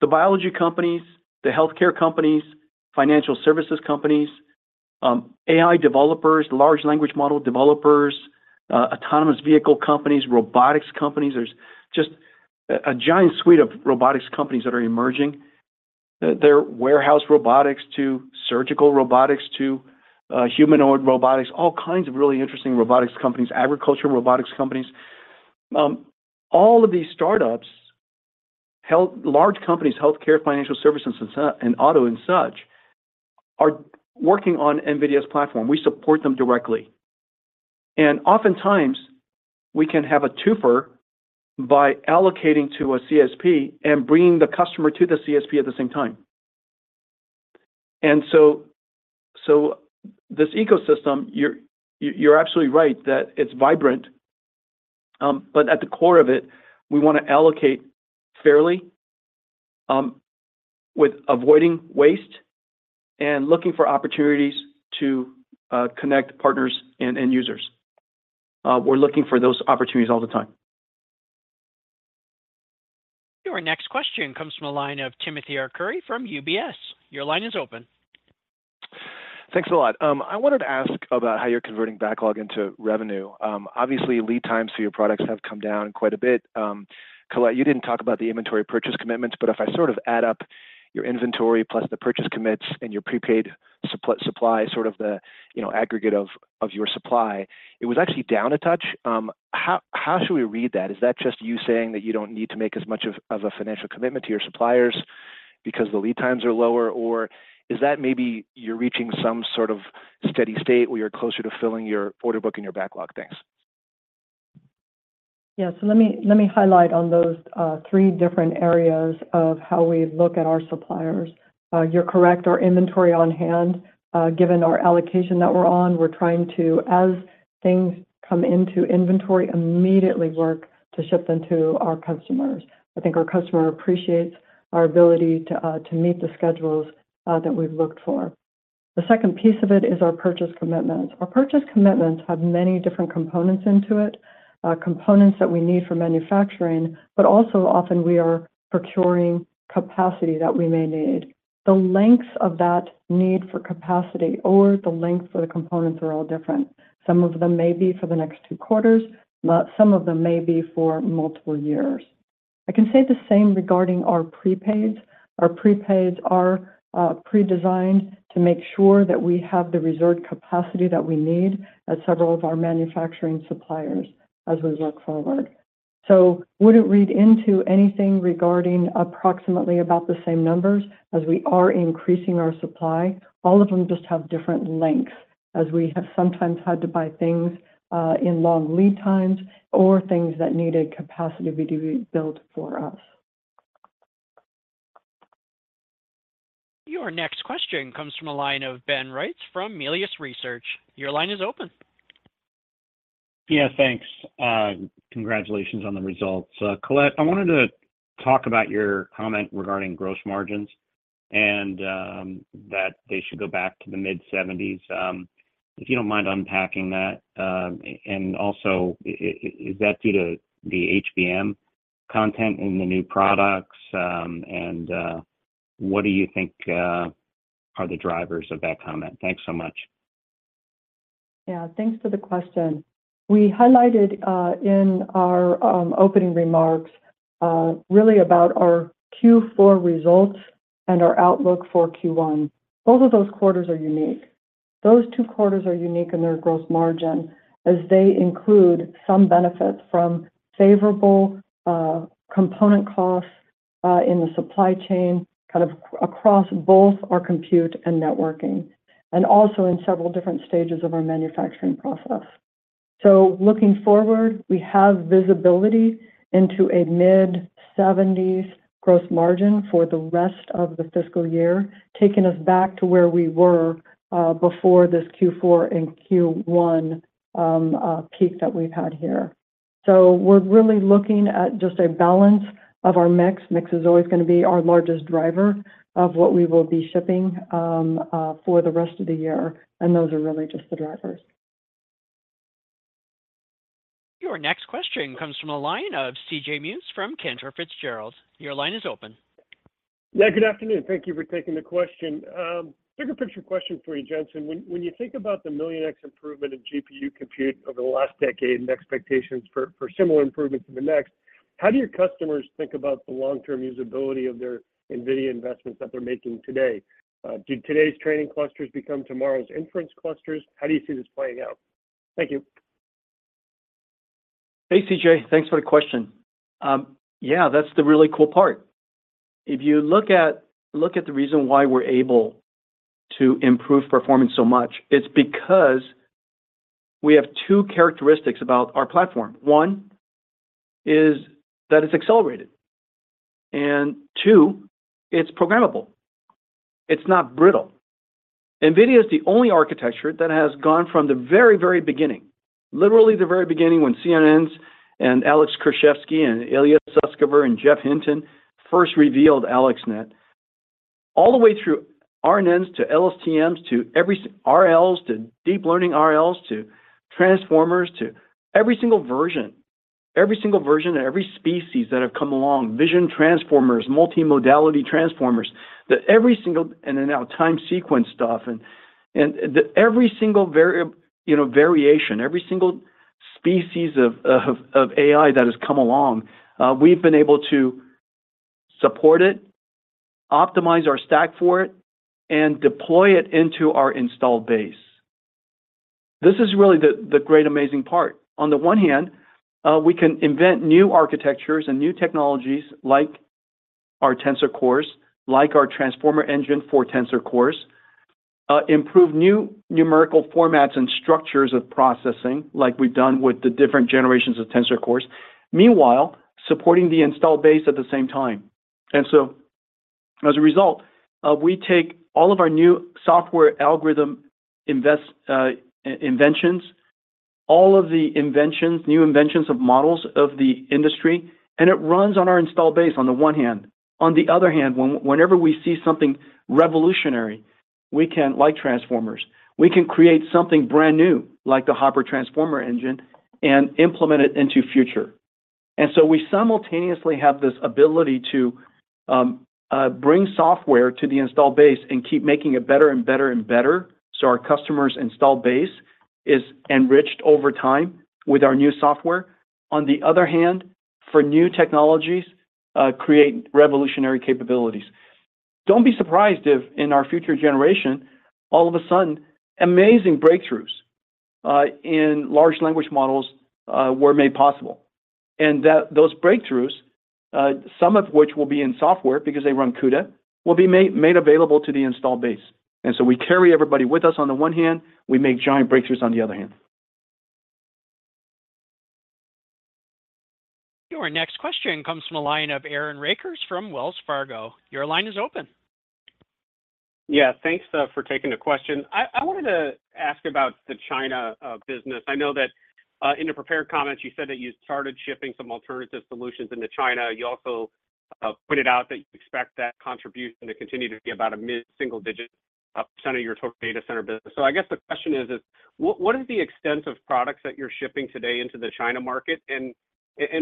The biology companies, the healthcare companies, financial services companies, AI developers, large language model developers, autonomous vehicle companies, robotics companies, there's just a giant suite of robotics companies that are emerging. They're warehouse robotics to surgical robotics to humanoid robotics, all kinds of really interesting robotics companies, agriculture robotics companies. All of these startups, large companies, healthcare, financial services, and auto and such, are working on NVIDIA's platform. We support them directly. And oftentimes, we can have a two-fer by allocating to a CSP and bringing the customer to the CSP at the same time. And so this ecosystem, you're absolutely right that it's vibrant. At the core of it, we want to allocate fairly with avoiding waste and looking for opportunities to connect partners and end users. We're looking for those opportunities all the time. Your next question comes from a line of Timothy Arcuri from UBS. Your line is open. Thanks a lot. I wanted to ask about how you're converting backlog into revenue. Obviously, lead times for your products have come down quite a bit. Colette, you didn't talk about the inventory purchase commitments. But if I sort of add up your inventory plus the purchase commits and your prepaid supply, sort of the aggregate of your supply, it was actually down a touch. How should we read that? Is that just you saying that you don't need to make as much of a financial commitment to your suppliers because the lead times are lower? Or is that maybe you're reaching some sort of steady state where you're closer to filling your order book and your backlog things? Yeah. So let me highlight on those three different areas of how we look at our suppliers. You're correct. Our inventory on hand, given our allocation that we're on, we're trying to, as things come into inventory, immediately work to ship them to our customers. I think our customer appreciates our ability to meet the schedules that we've looked for. The second piece of it is our purchase commitments. Our purchase commitments have many different components into it, components that we need for manufacturing, but also often, we are procuring capacity that we may need. The lengths of that need for capacity or the length for the components are all different. Some of them may be for the next two quarters. Some of them may be for multiple years. I can say the same regarding our prepaids. Our prepaids are pre-designed to make sure that we have the reserved capacity that we need at several of our manufacturing suppliers as we work forward. So would it read into anything regarding approximately about the same numbers as we are increasing our supply? All of them just have different lengths as we have sometimes had to buy things in long lead times or things that needed capacity to be built for us. Your next question comes from a line of Ben Reitzes from Melius Research. Your line is open. Yeah. Thanks. Congratulations on the results. Colette, I wanted to talk about your comment regarding gross margins and that they should go back to the mid-70s. If you don't mind unpacking that. And also, is that due to the HBM content in the new products? And what do you think are the drivers of that comment? Thanks so much. Yeah. Thanks for the question. We highlighted in our opening remarks really about our Q4 results and our outlook for Q1. Both of those quarters are unique. Those two quarters are unique in their gross margin as they include some benefits from favorable component costs in the supply chain kind of across both our compute and networking and also in several different stages of our manufacturing process. So looking forward, we have visibility into a mid-70s% gross margin for the rest of the fiscal year, taking us back to where we were before this Q4 and Q1 peak that we've had here. So we're really looking at just a balance of our mix. Mix is always going to be our largest driver of what we will be shipping for the rest of the year. Those are really just the drivers. Your next question comes from a line of C.J. Muse from Cantor Fitzgerald. Your line is open. Yeah. Good afternoon. Thank you for taking the question. Take a quick question for you, Jensen. When you think about the million X improvement in GPU compute over the last decade and expectations for similar improvements in the next, how do your customers think about the long-term usability of their NVIDIA investments that they're making today? Did today's training clusters become tomorrow's inference clusters? How do you see this playing out? Thank you. Hey, C.J. Thanks for the question. Yeah. That's the really cool part. If you look at the reason why we're able to improve performance so much, it's because we have two characteristics about our platform. One is that it's accelerated. And two, it's programmable. It's not brittle. NVIDIA is the only architecture that has gone from the very, very beginning, literally the very beginning when CNNs and Alex Krizhevsky and Ilya Sutskever and Geoffrey Hinton first revealed AlexNet, all the way through RNNs to LSTMs to RLs to deep learning RLs to transformers to every single version, every single version and every species that have come along, vision transformers, multimodality transformers, and now time sequence stuff, and every single variation, every single species of AI that has come along, we've been able to support it, optimize our stack for it, and deploy it into our installed base. This is really the great, amazing part. On the one hand, we can invent new architectures and new technologies like our Tensor Cores, like our Transformer Engine for Tensor Cores, improve new numerical formats and structures of processing like we've done with the different generations of Tensor Cores, meanwhile supporting the installed base at the same time. And so as a result, we take all of our new software algorithm inventions, all of the new inventions of models of the industry, and it runs on our installed base on the one hand. On the other hand, whenever we see something revolutionary, like transformers, we can create something brand new like the Hopper Transformer Engine and implement it into future. And so we simultaneously have this ability to bring software to the installed base and keep making it better and better and better so our customers' installed base is enriched over time with our new software. On the other hand, for new technologies, create revolutionary capabilities. Don't be surprised if in our future generation, all of a sudden, amazing breakthroughs in large language models were made possible. And those breakthroughs, some of which will be in software because they run CUDA, will be made available to the installed base. And so we carry everybody with us on the one hand. We make giant breakthroughs on the other hand. Your next question comes from a line of Aaron Rakers from Wells Fargo. Your line is open. Yeah. Thanks for taking the question. I wanted to ask about the China business. I know that in the prepared comments, you said that you started shipping some alternative solutions into China. You also pointed out that you expect that contribution to continue to be about a mid-single-digit % of your total data center business. So I guess the question is, what is the extent of products that you're shipping today into the China market? And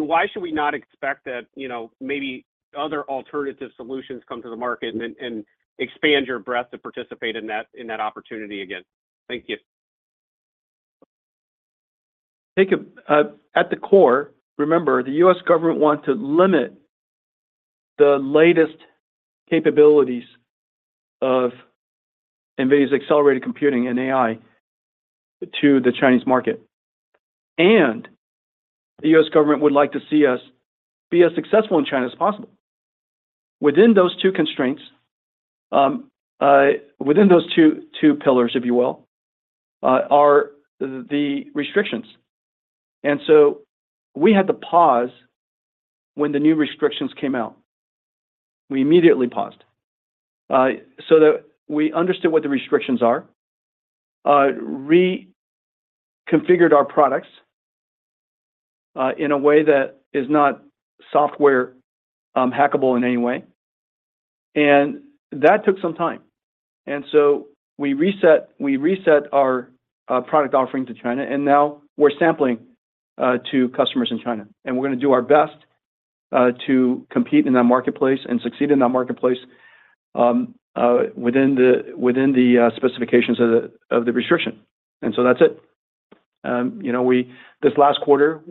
why should we not expect that maybe other alternative solutions come to the market and expand your breadth to participate in that opportunity again? Thank you. Thank you. At the core, remember, the U.S. government wants to limit the latest capabilities of NVIDIA's accelerated computing and AI to the Chinese market. The U.S. government would like to see us be as successful in China as possible. Within those two constraints, within those two pillars, if you will, are the restrictions. We had to pause when the new restrictions came out. We immediately paused so that we understood what the restrictions are, reconfigured our products in a way that is not software hackable in any way. That took some time. We reset our product offering to China. Now we're sampling to customers in China. We're going to do our best to compete in that marketplace and succeed in that marketplace within the specifications of the restriction. That's it. This last quarter,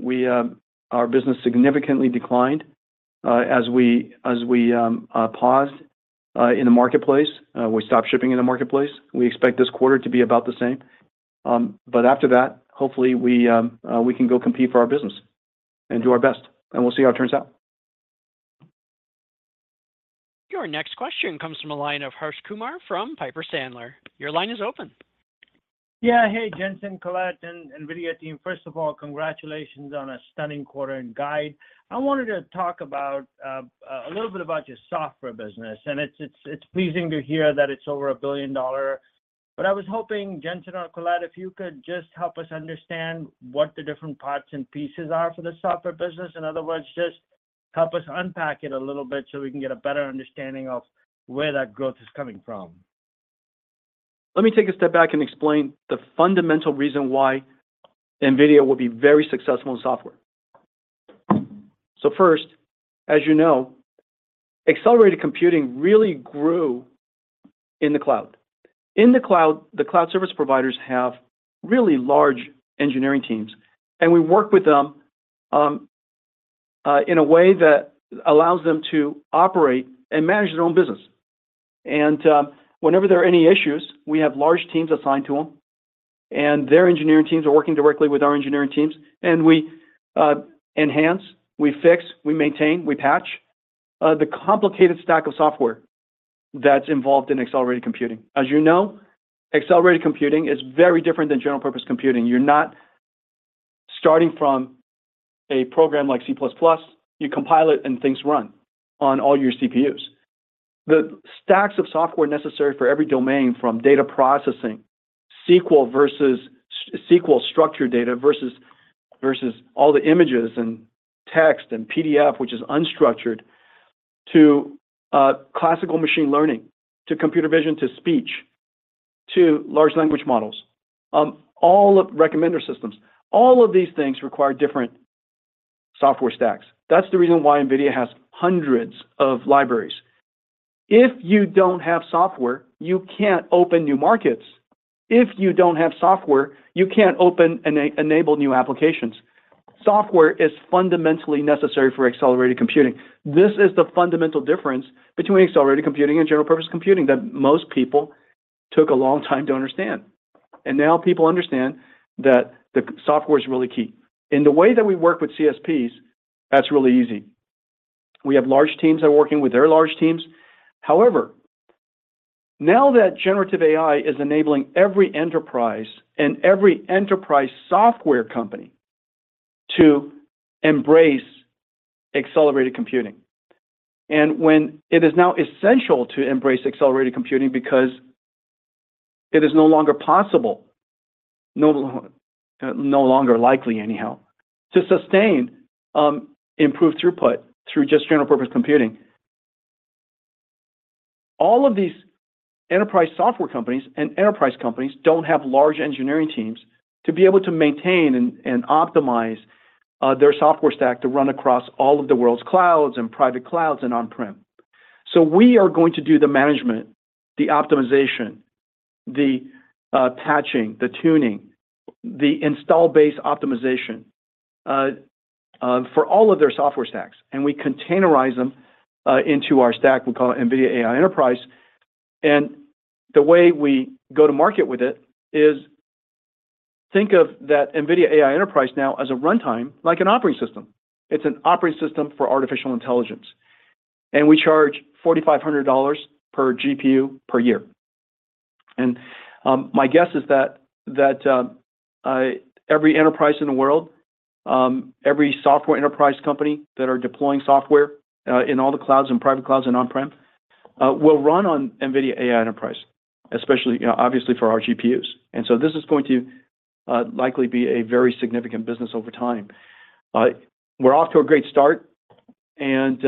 our business significantly declined as we paused in the marketplace. We stopped shipping in the marketplace. We expect this quarter to be about the same. But after that, hopefully, we can go compete for our business and do our best. We'll see how it turns out. Your next question comes from a line of Harsh Kumar from Piper Sandler. Your line is open. Yeah. Hey, Jensen, Colette, and NVIDIA team. First of all, congratulations on a stunning quarter and guide. I wanted to talk a little bit about your software business. It's pleasing to hear that it's over $1 billion. I was hoping, Jensen or Colette, if you could just help us understand what the different parts and pieces are for the software business. In other words, just help us unpack it a little bit so we can get a better understanding of where that growth is coming from. Let me take a step back and explain the fundamental reason why NVIDIA will be very successful in software. So first, as you know, accelerated computing really grew in the cloud. In the cloud, the cloud service providers have really large engineering teams. And we work with them in a way that allows them to operate and manage their own business. And whenever there are any issues, we have large teams assigned to them. And their engineering teams are working directly with our engineering teams. And we enhance, we fix, we maintain, we patch the complicated stack of software that's involved in accelerated computing. As you know, accelerated computing is very different than general-purpose computing. You're not starting from a program like C++. You compile it, and things run on all your CPUs. The stacks of software necessary for every domain, from data processing, SQL structured data versus all the images and text and PDF, which is unstructured, to classical machine learning, to computer vision, to speech, to large language models, all recommender systems, all of these things require different software stacks. That's the reason why NVIDIA has hundreds of libraries. If you don't have software, you can't open new markets. If you don't have software, you can't enable new applications. Software is fundamentally necessary for accelerated computing. This is the fundamental difference between accelerated computing and general-purpose computing that most people took a long time to understand. And now people understand that the software is really key. In the way that we work with CSPs, that's really easy. We have large teams that are working with their large teams. However, now that generative AI is enabling every enterprise and every enterprise software company to embrace accelerated computing and when it is now essential to embrace accelerated computing because it is no longer possible, no longer likely anyhow, to sustain improved throughput through just general-purpose computing, all of these enterprise software companies and enterprise companies don't have large engineering teams to be able to maintain and optimize their software stack to run across all of the world's clouds and private clouds and on-prem. So we are going to do the management, the optimization, the patching, the tuning, the install-based optimization for all of their software stacks. And we containerize them into our stack we call NVIDIA AI Enterprise. And the way we go to market with it is think of that NVIDIA AI Enterprise now as a runtime like an operating system. It's an operating system for artificial intelligence. We charge $4,500 per GPU per year. My guess is that every enterprise in the world, every software enterprise company that are deploying software in all the clouds and private clouds and on-prem will run on NVIDIA AI Enterprise, obviously for our GPUs. This is going to likely be a very significant business over time. We're off to a great start. Colette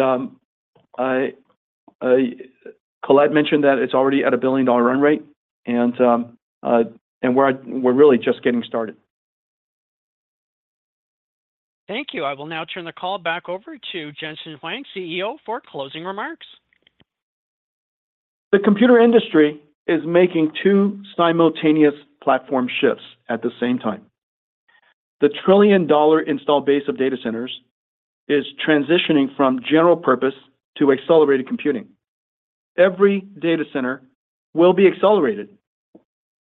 mentioned that it's already at a billion-dollar run rate. We're really just getting started. Thank you. I will now turn the call back over to Jensen Huang, CEO, for closing remarks. The computer industry is making two simultaneous platform shifts at the same time. The trillion-dollar install base of data centers is transitioning from general purpose to accelerated computing. Every data center will be accelerated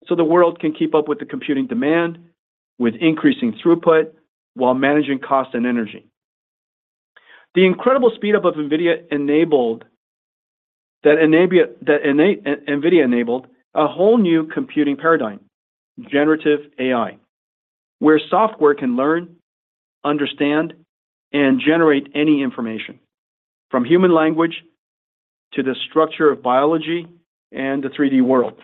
so the world can keep up with the computing demand, with increasing throughput, while managing cost and energy. The incredible speed-up of NVIDIA enabled a whole new computing paradigm, Generative AI, where software can learn, understand, and generate any information from human language to the structure of biology and the 3D world.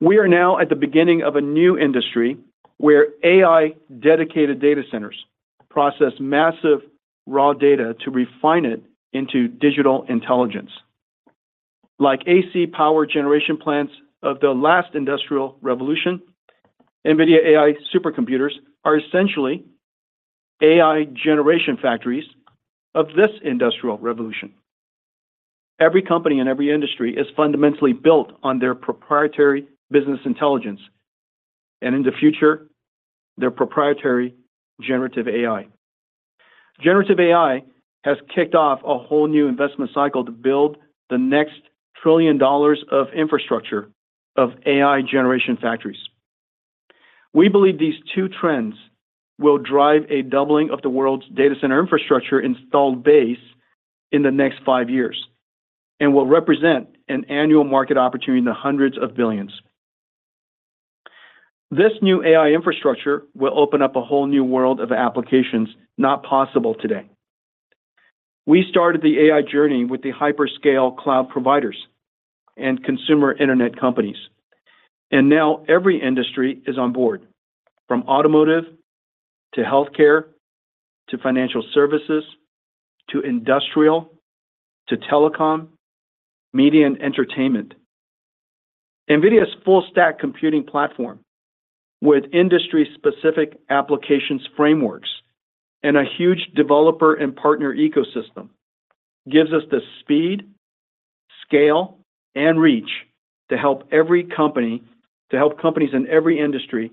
We are now at the beginning of a new industry where AI-dedicated data centers process massive raw data to refine it into digital intelligence. Like AC power generation plants of the last industrial revolution, NVIDIA AI supercomputers are essentially AI generation factories of this industrial revolution. Every company in every industry is fundamentally built on their proprietary business intelligence and, in the future, their proprietary generative AI. Generative AI has kicked off a whole new investment cycle to build the next $1 trillion of infrastructure of AI generation factories. We believe these two trends will drive a doubling of the world's data center infrastructure installed base in the next 5 years and will represent an annual market opportunity in the hundreds of billions. This new AI infrastructure will open up a whole new world of applications not possible today. We started the AI journey with the hyperscale cloud providers and consumer internet companies. And now every industry is on board, from automotive to healthcare to financial services to industrial to telecom, media, and entertainment. NVIDIA's full-stack computing platform with industry-specific applications frameworks and a huge developer and partner ecosystem gives us the speed, scale, and reach to help every company to help companies in every industry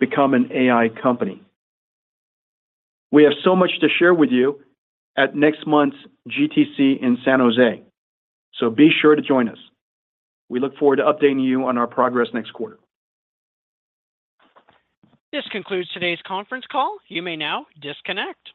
become an AI company. We have so much to share with you at next month's GTC in San Jose. So be sure to join us. We look forward to updating you on our progress next quarter. This concludes today's conference call. You may now disconnect.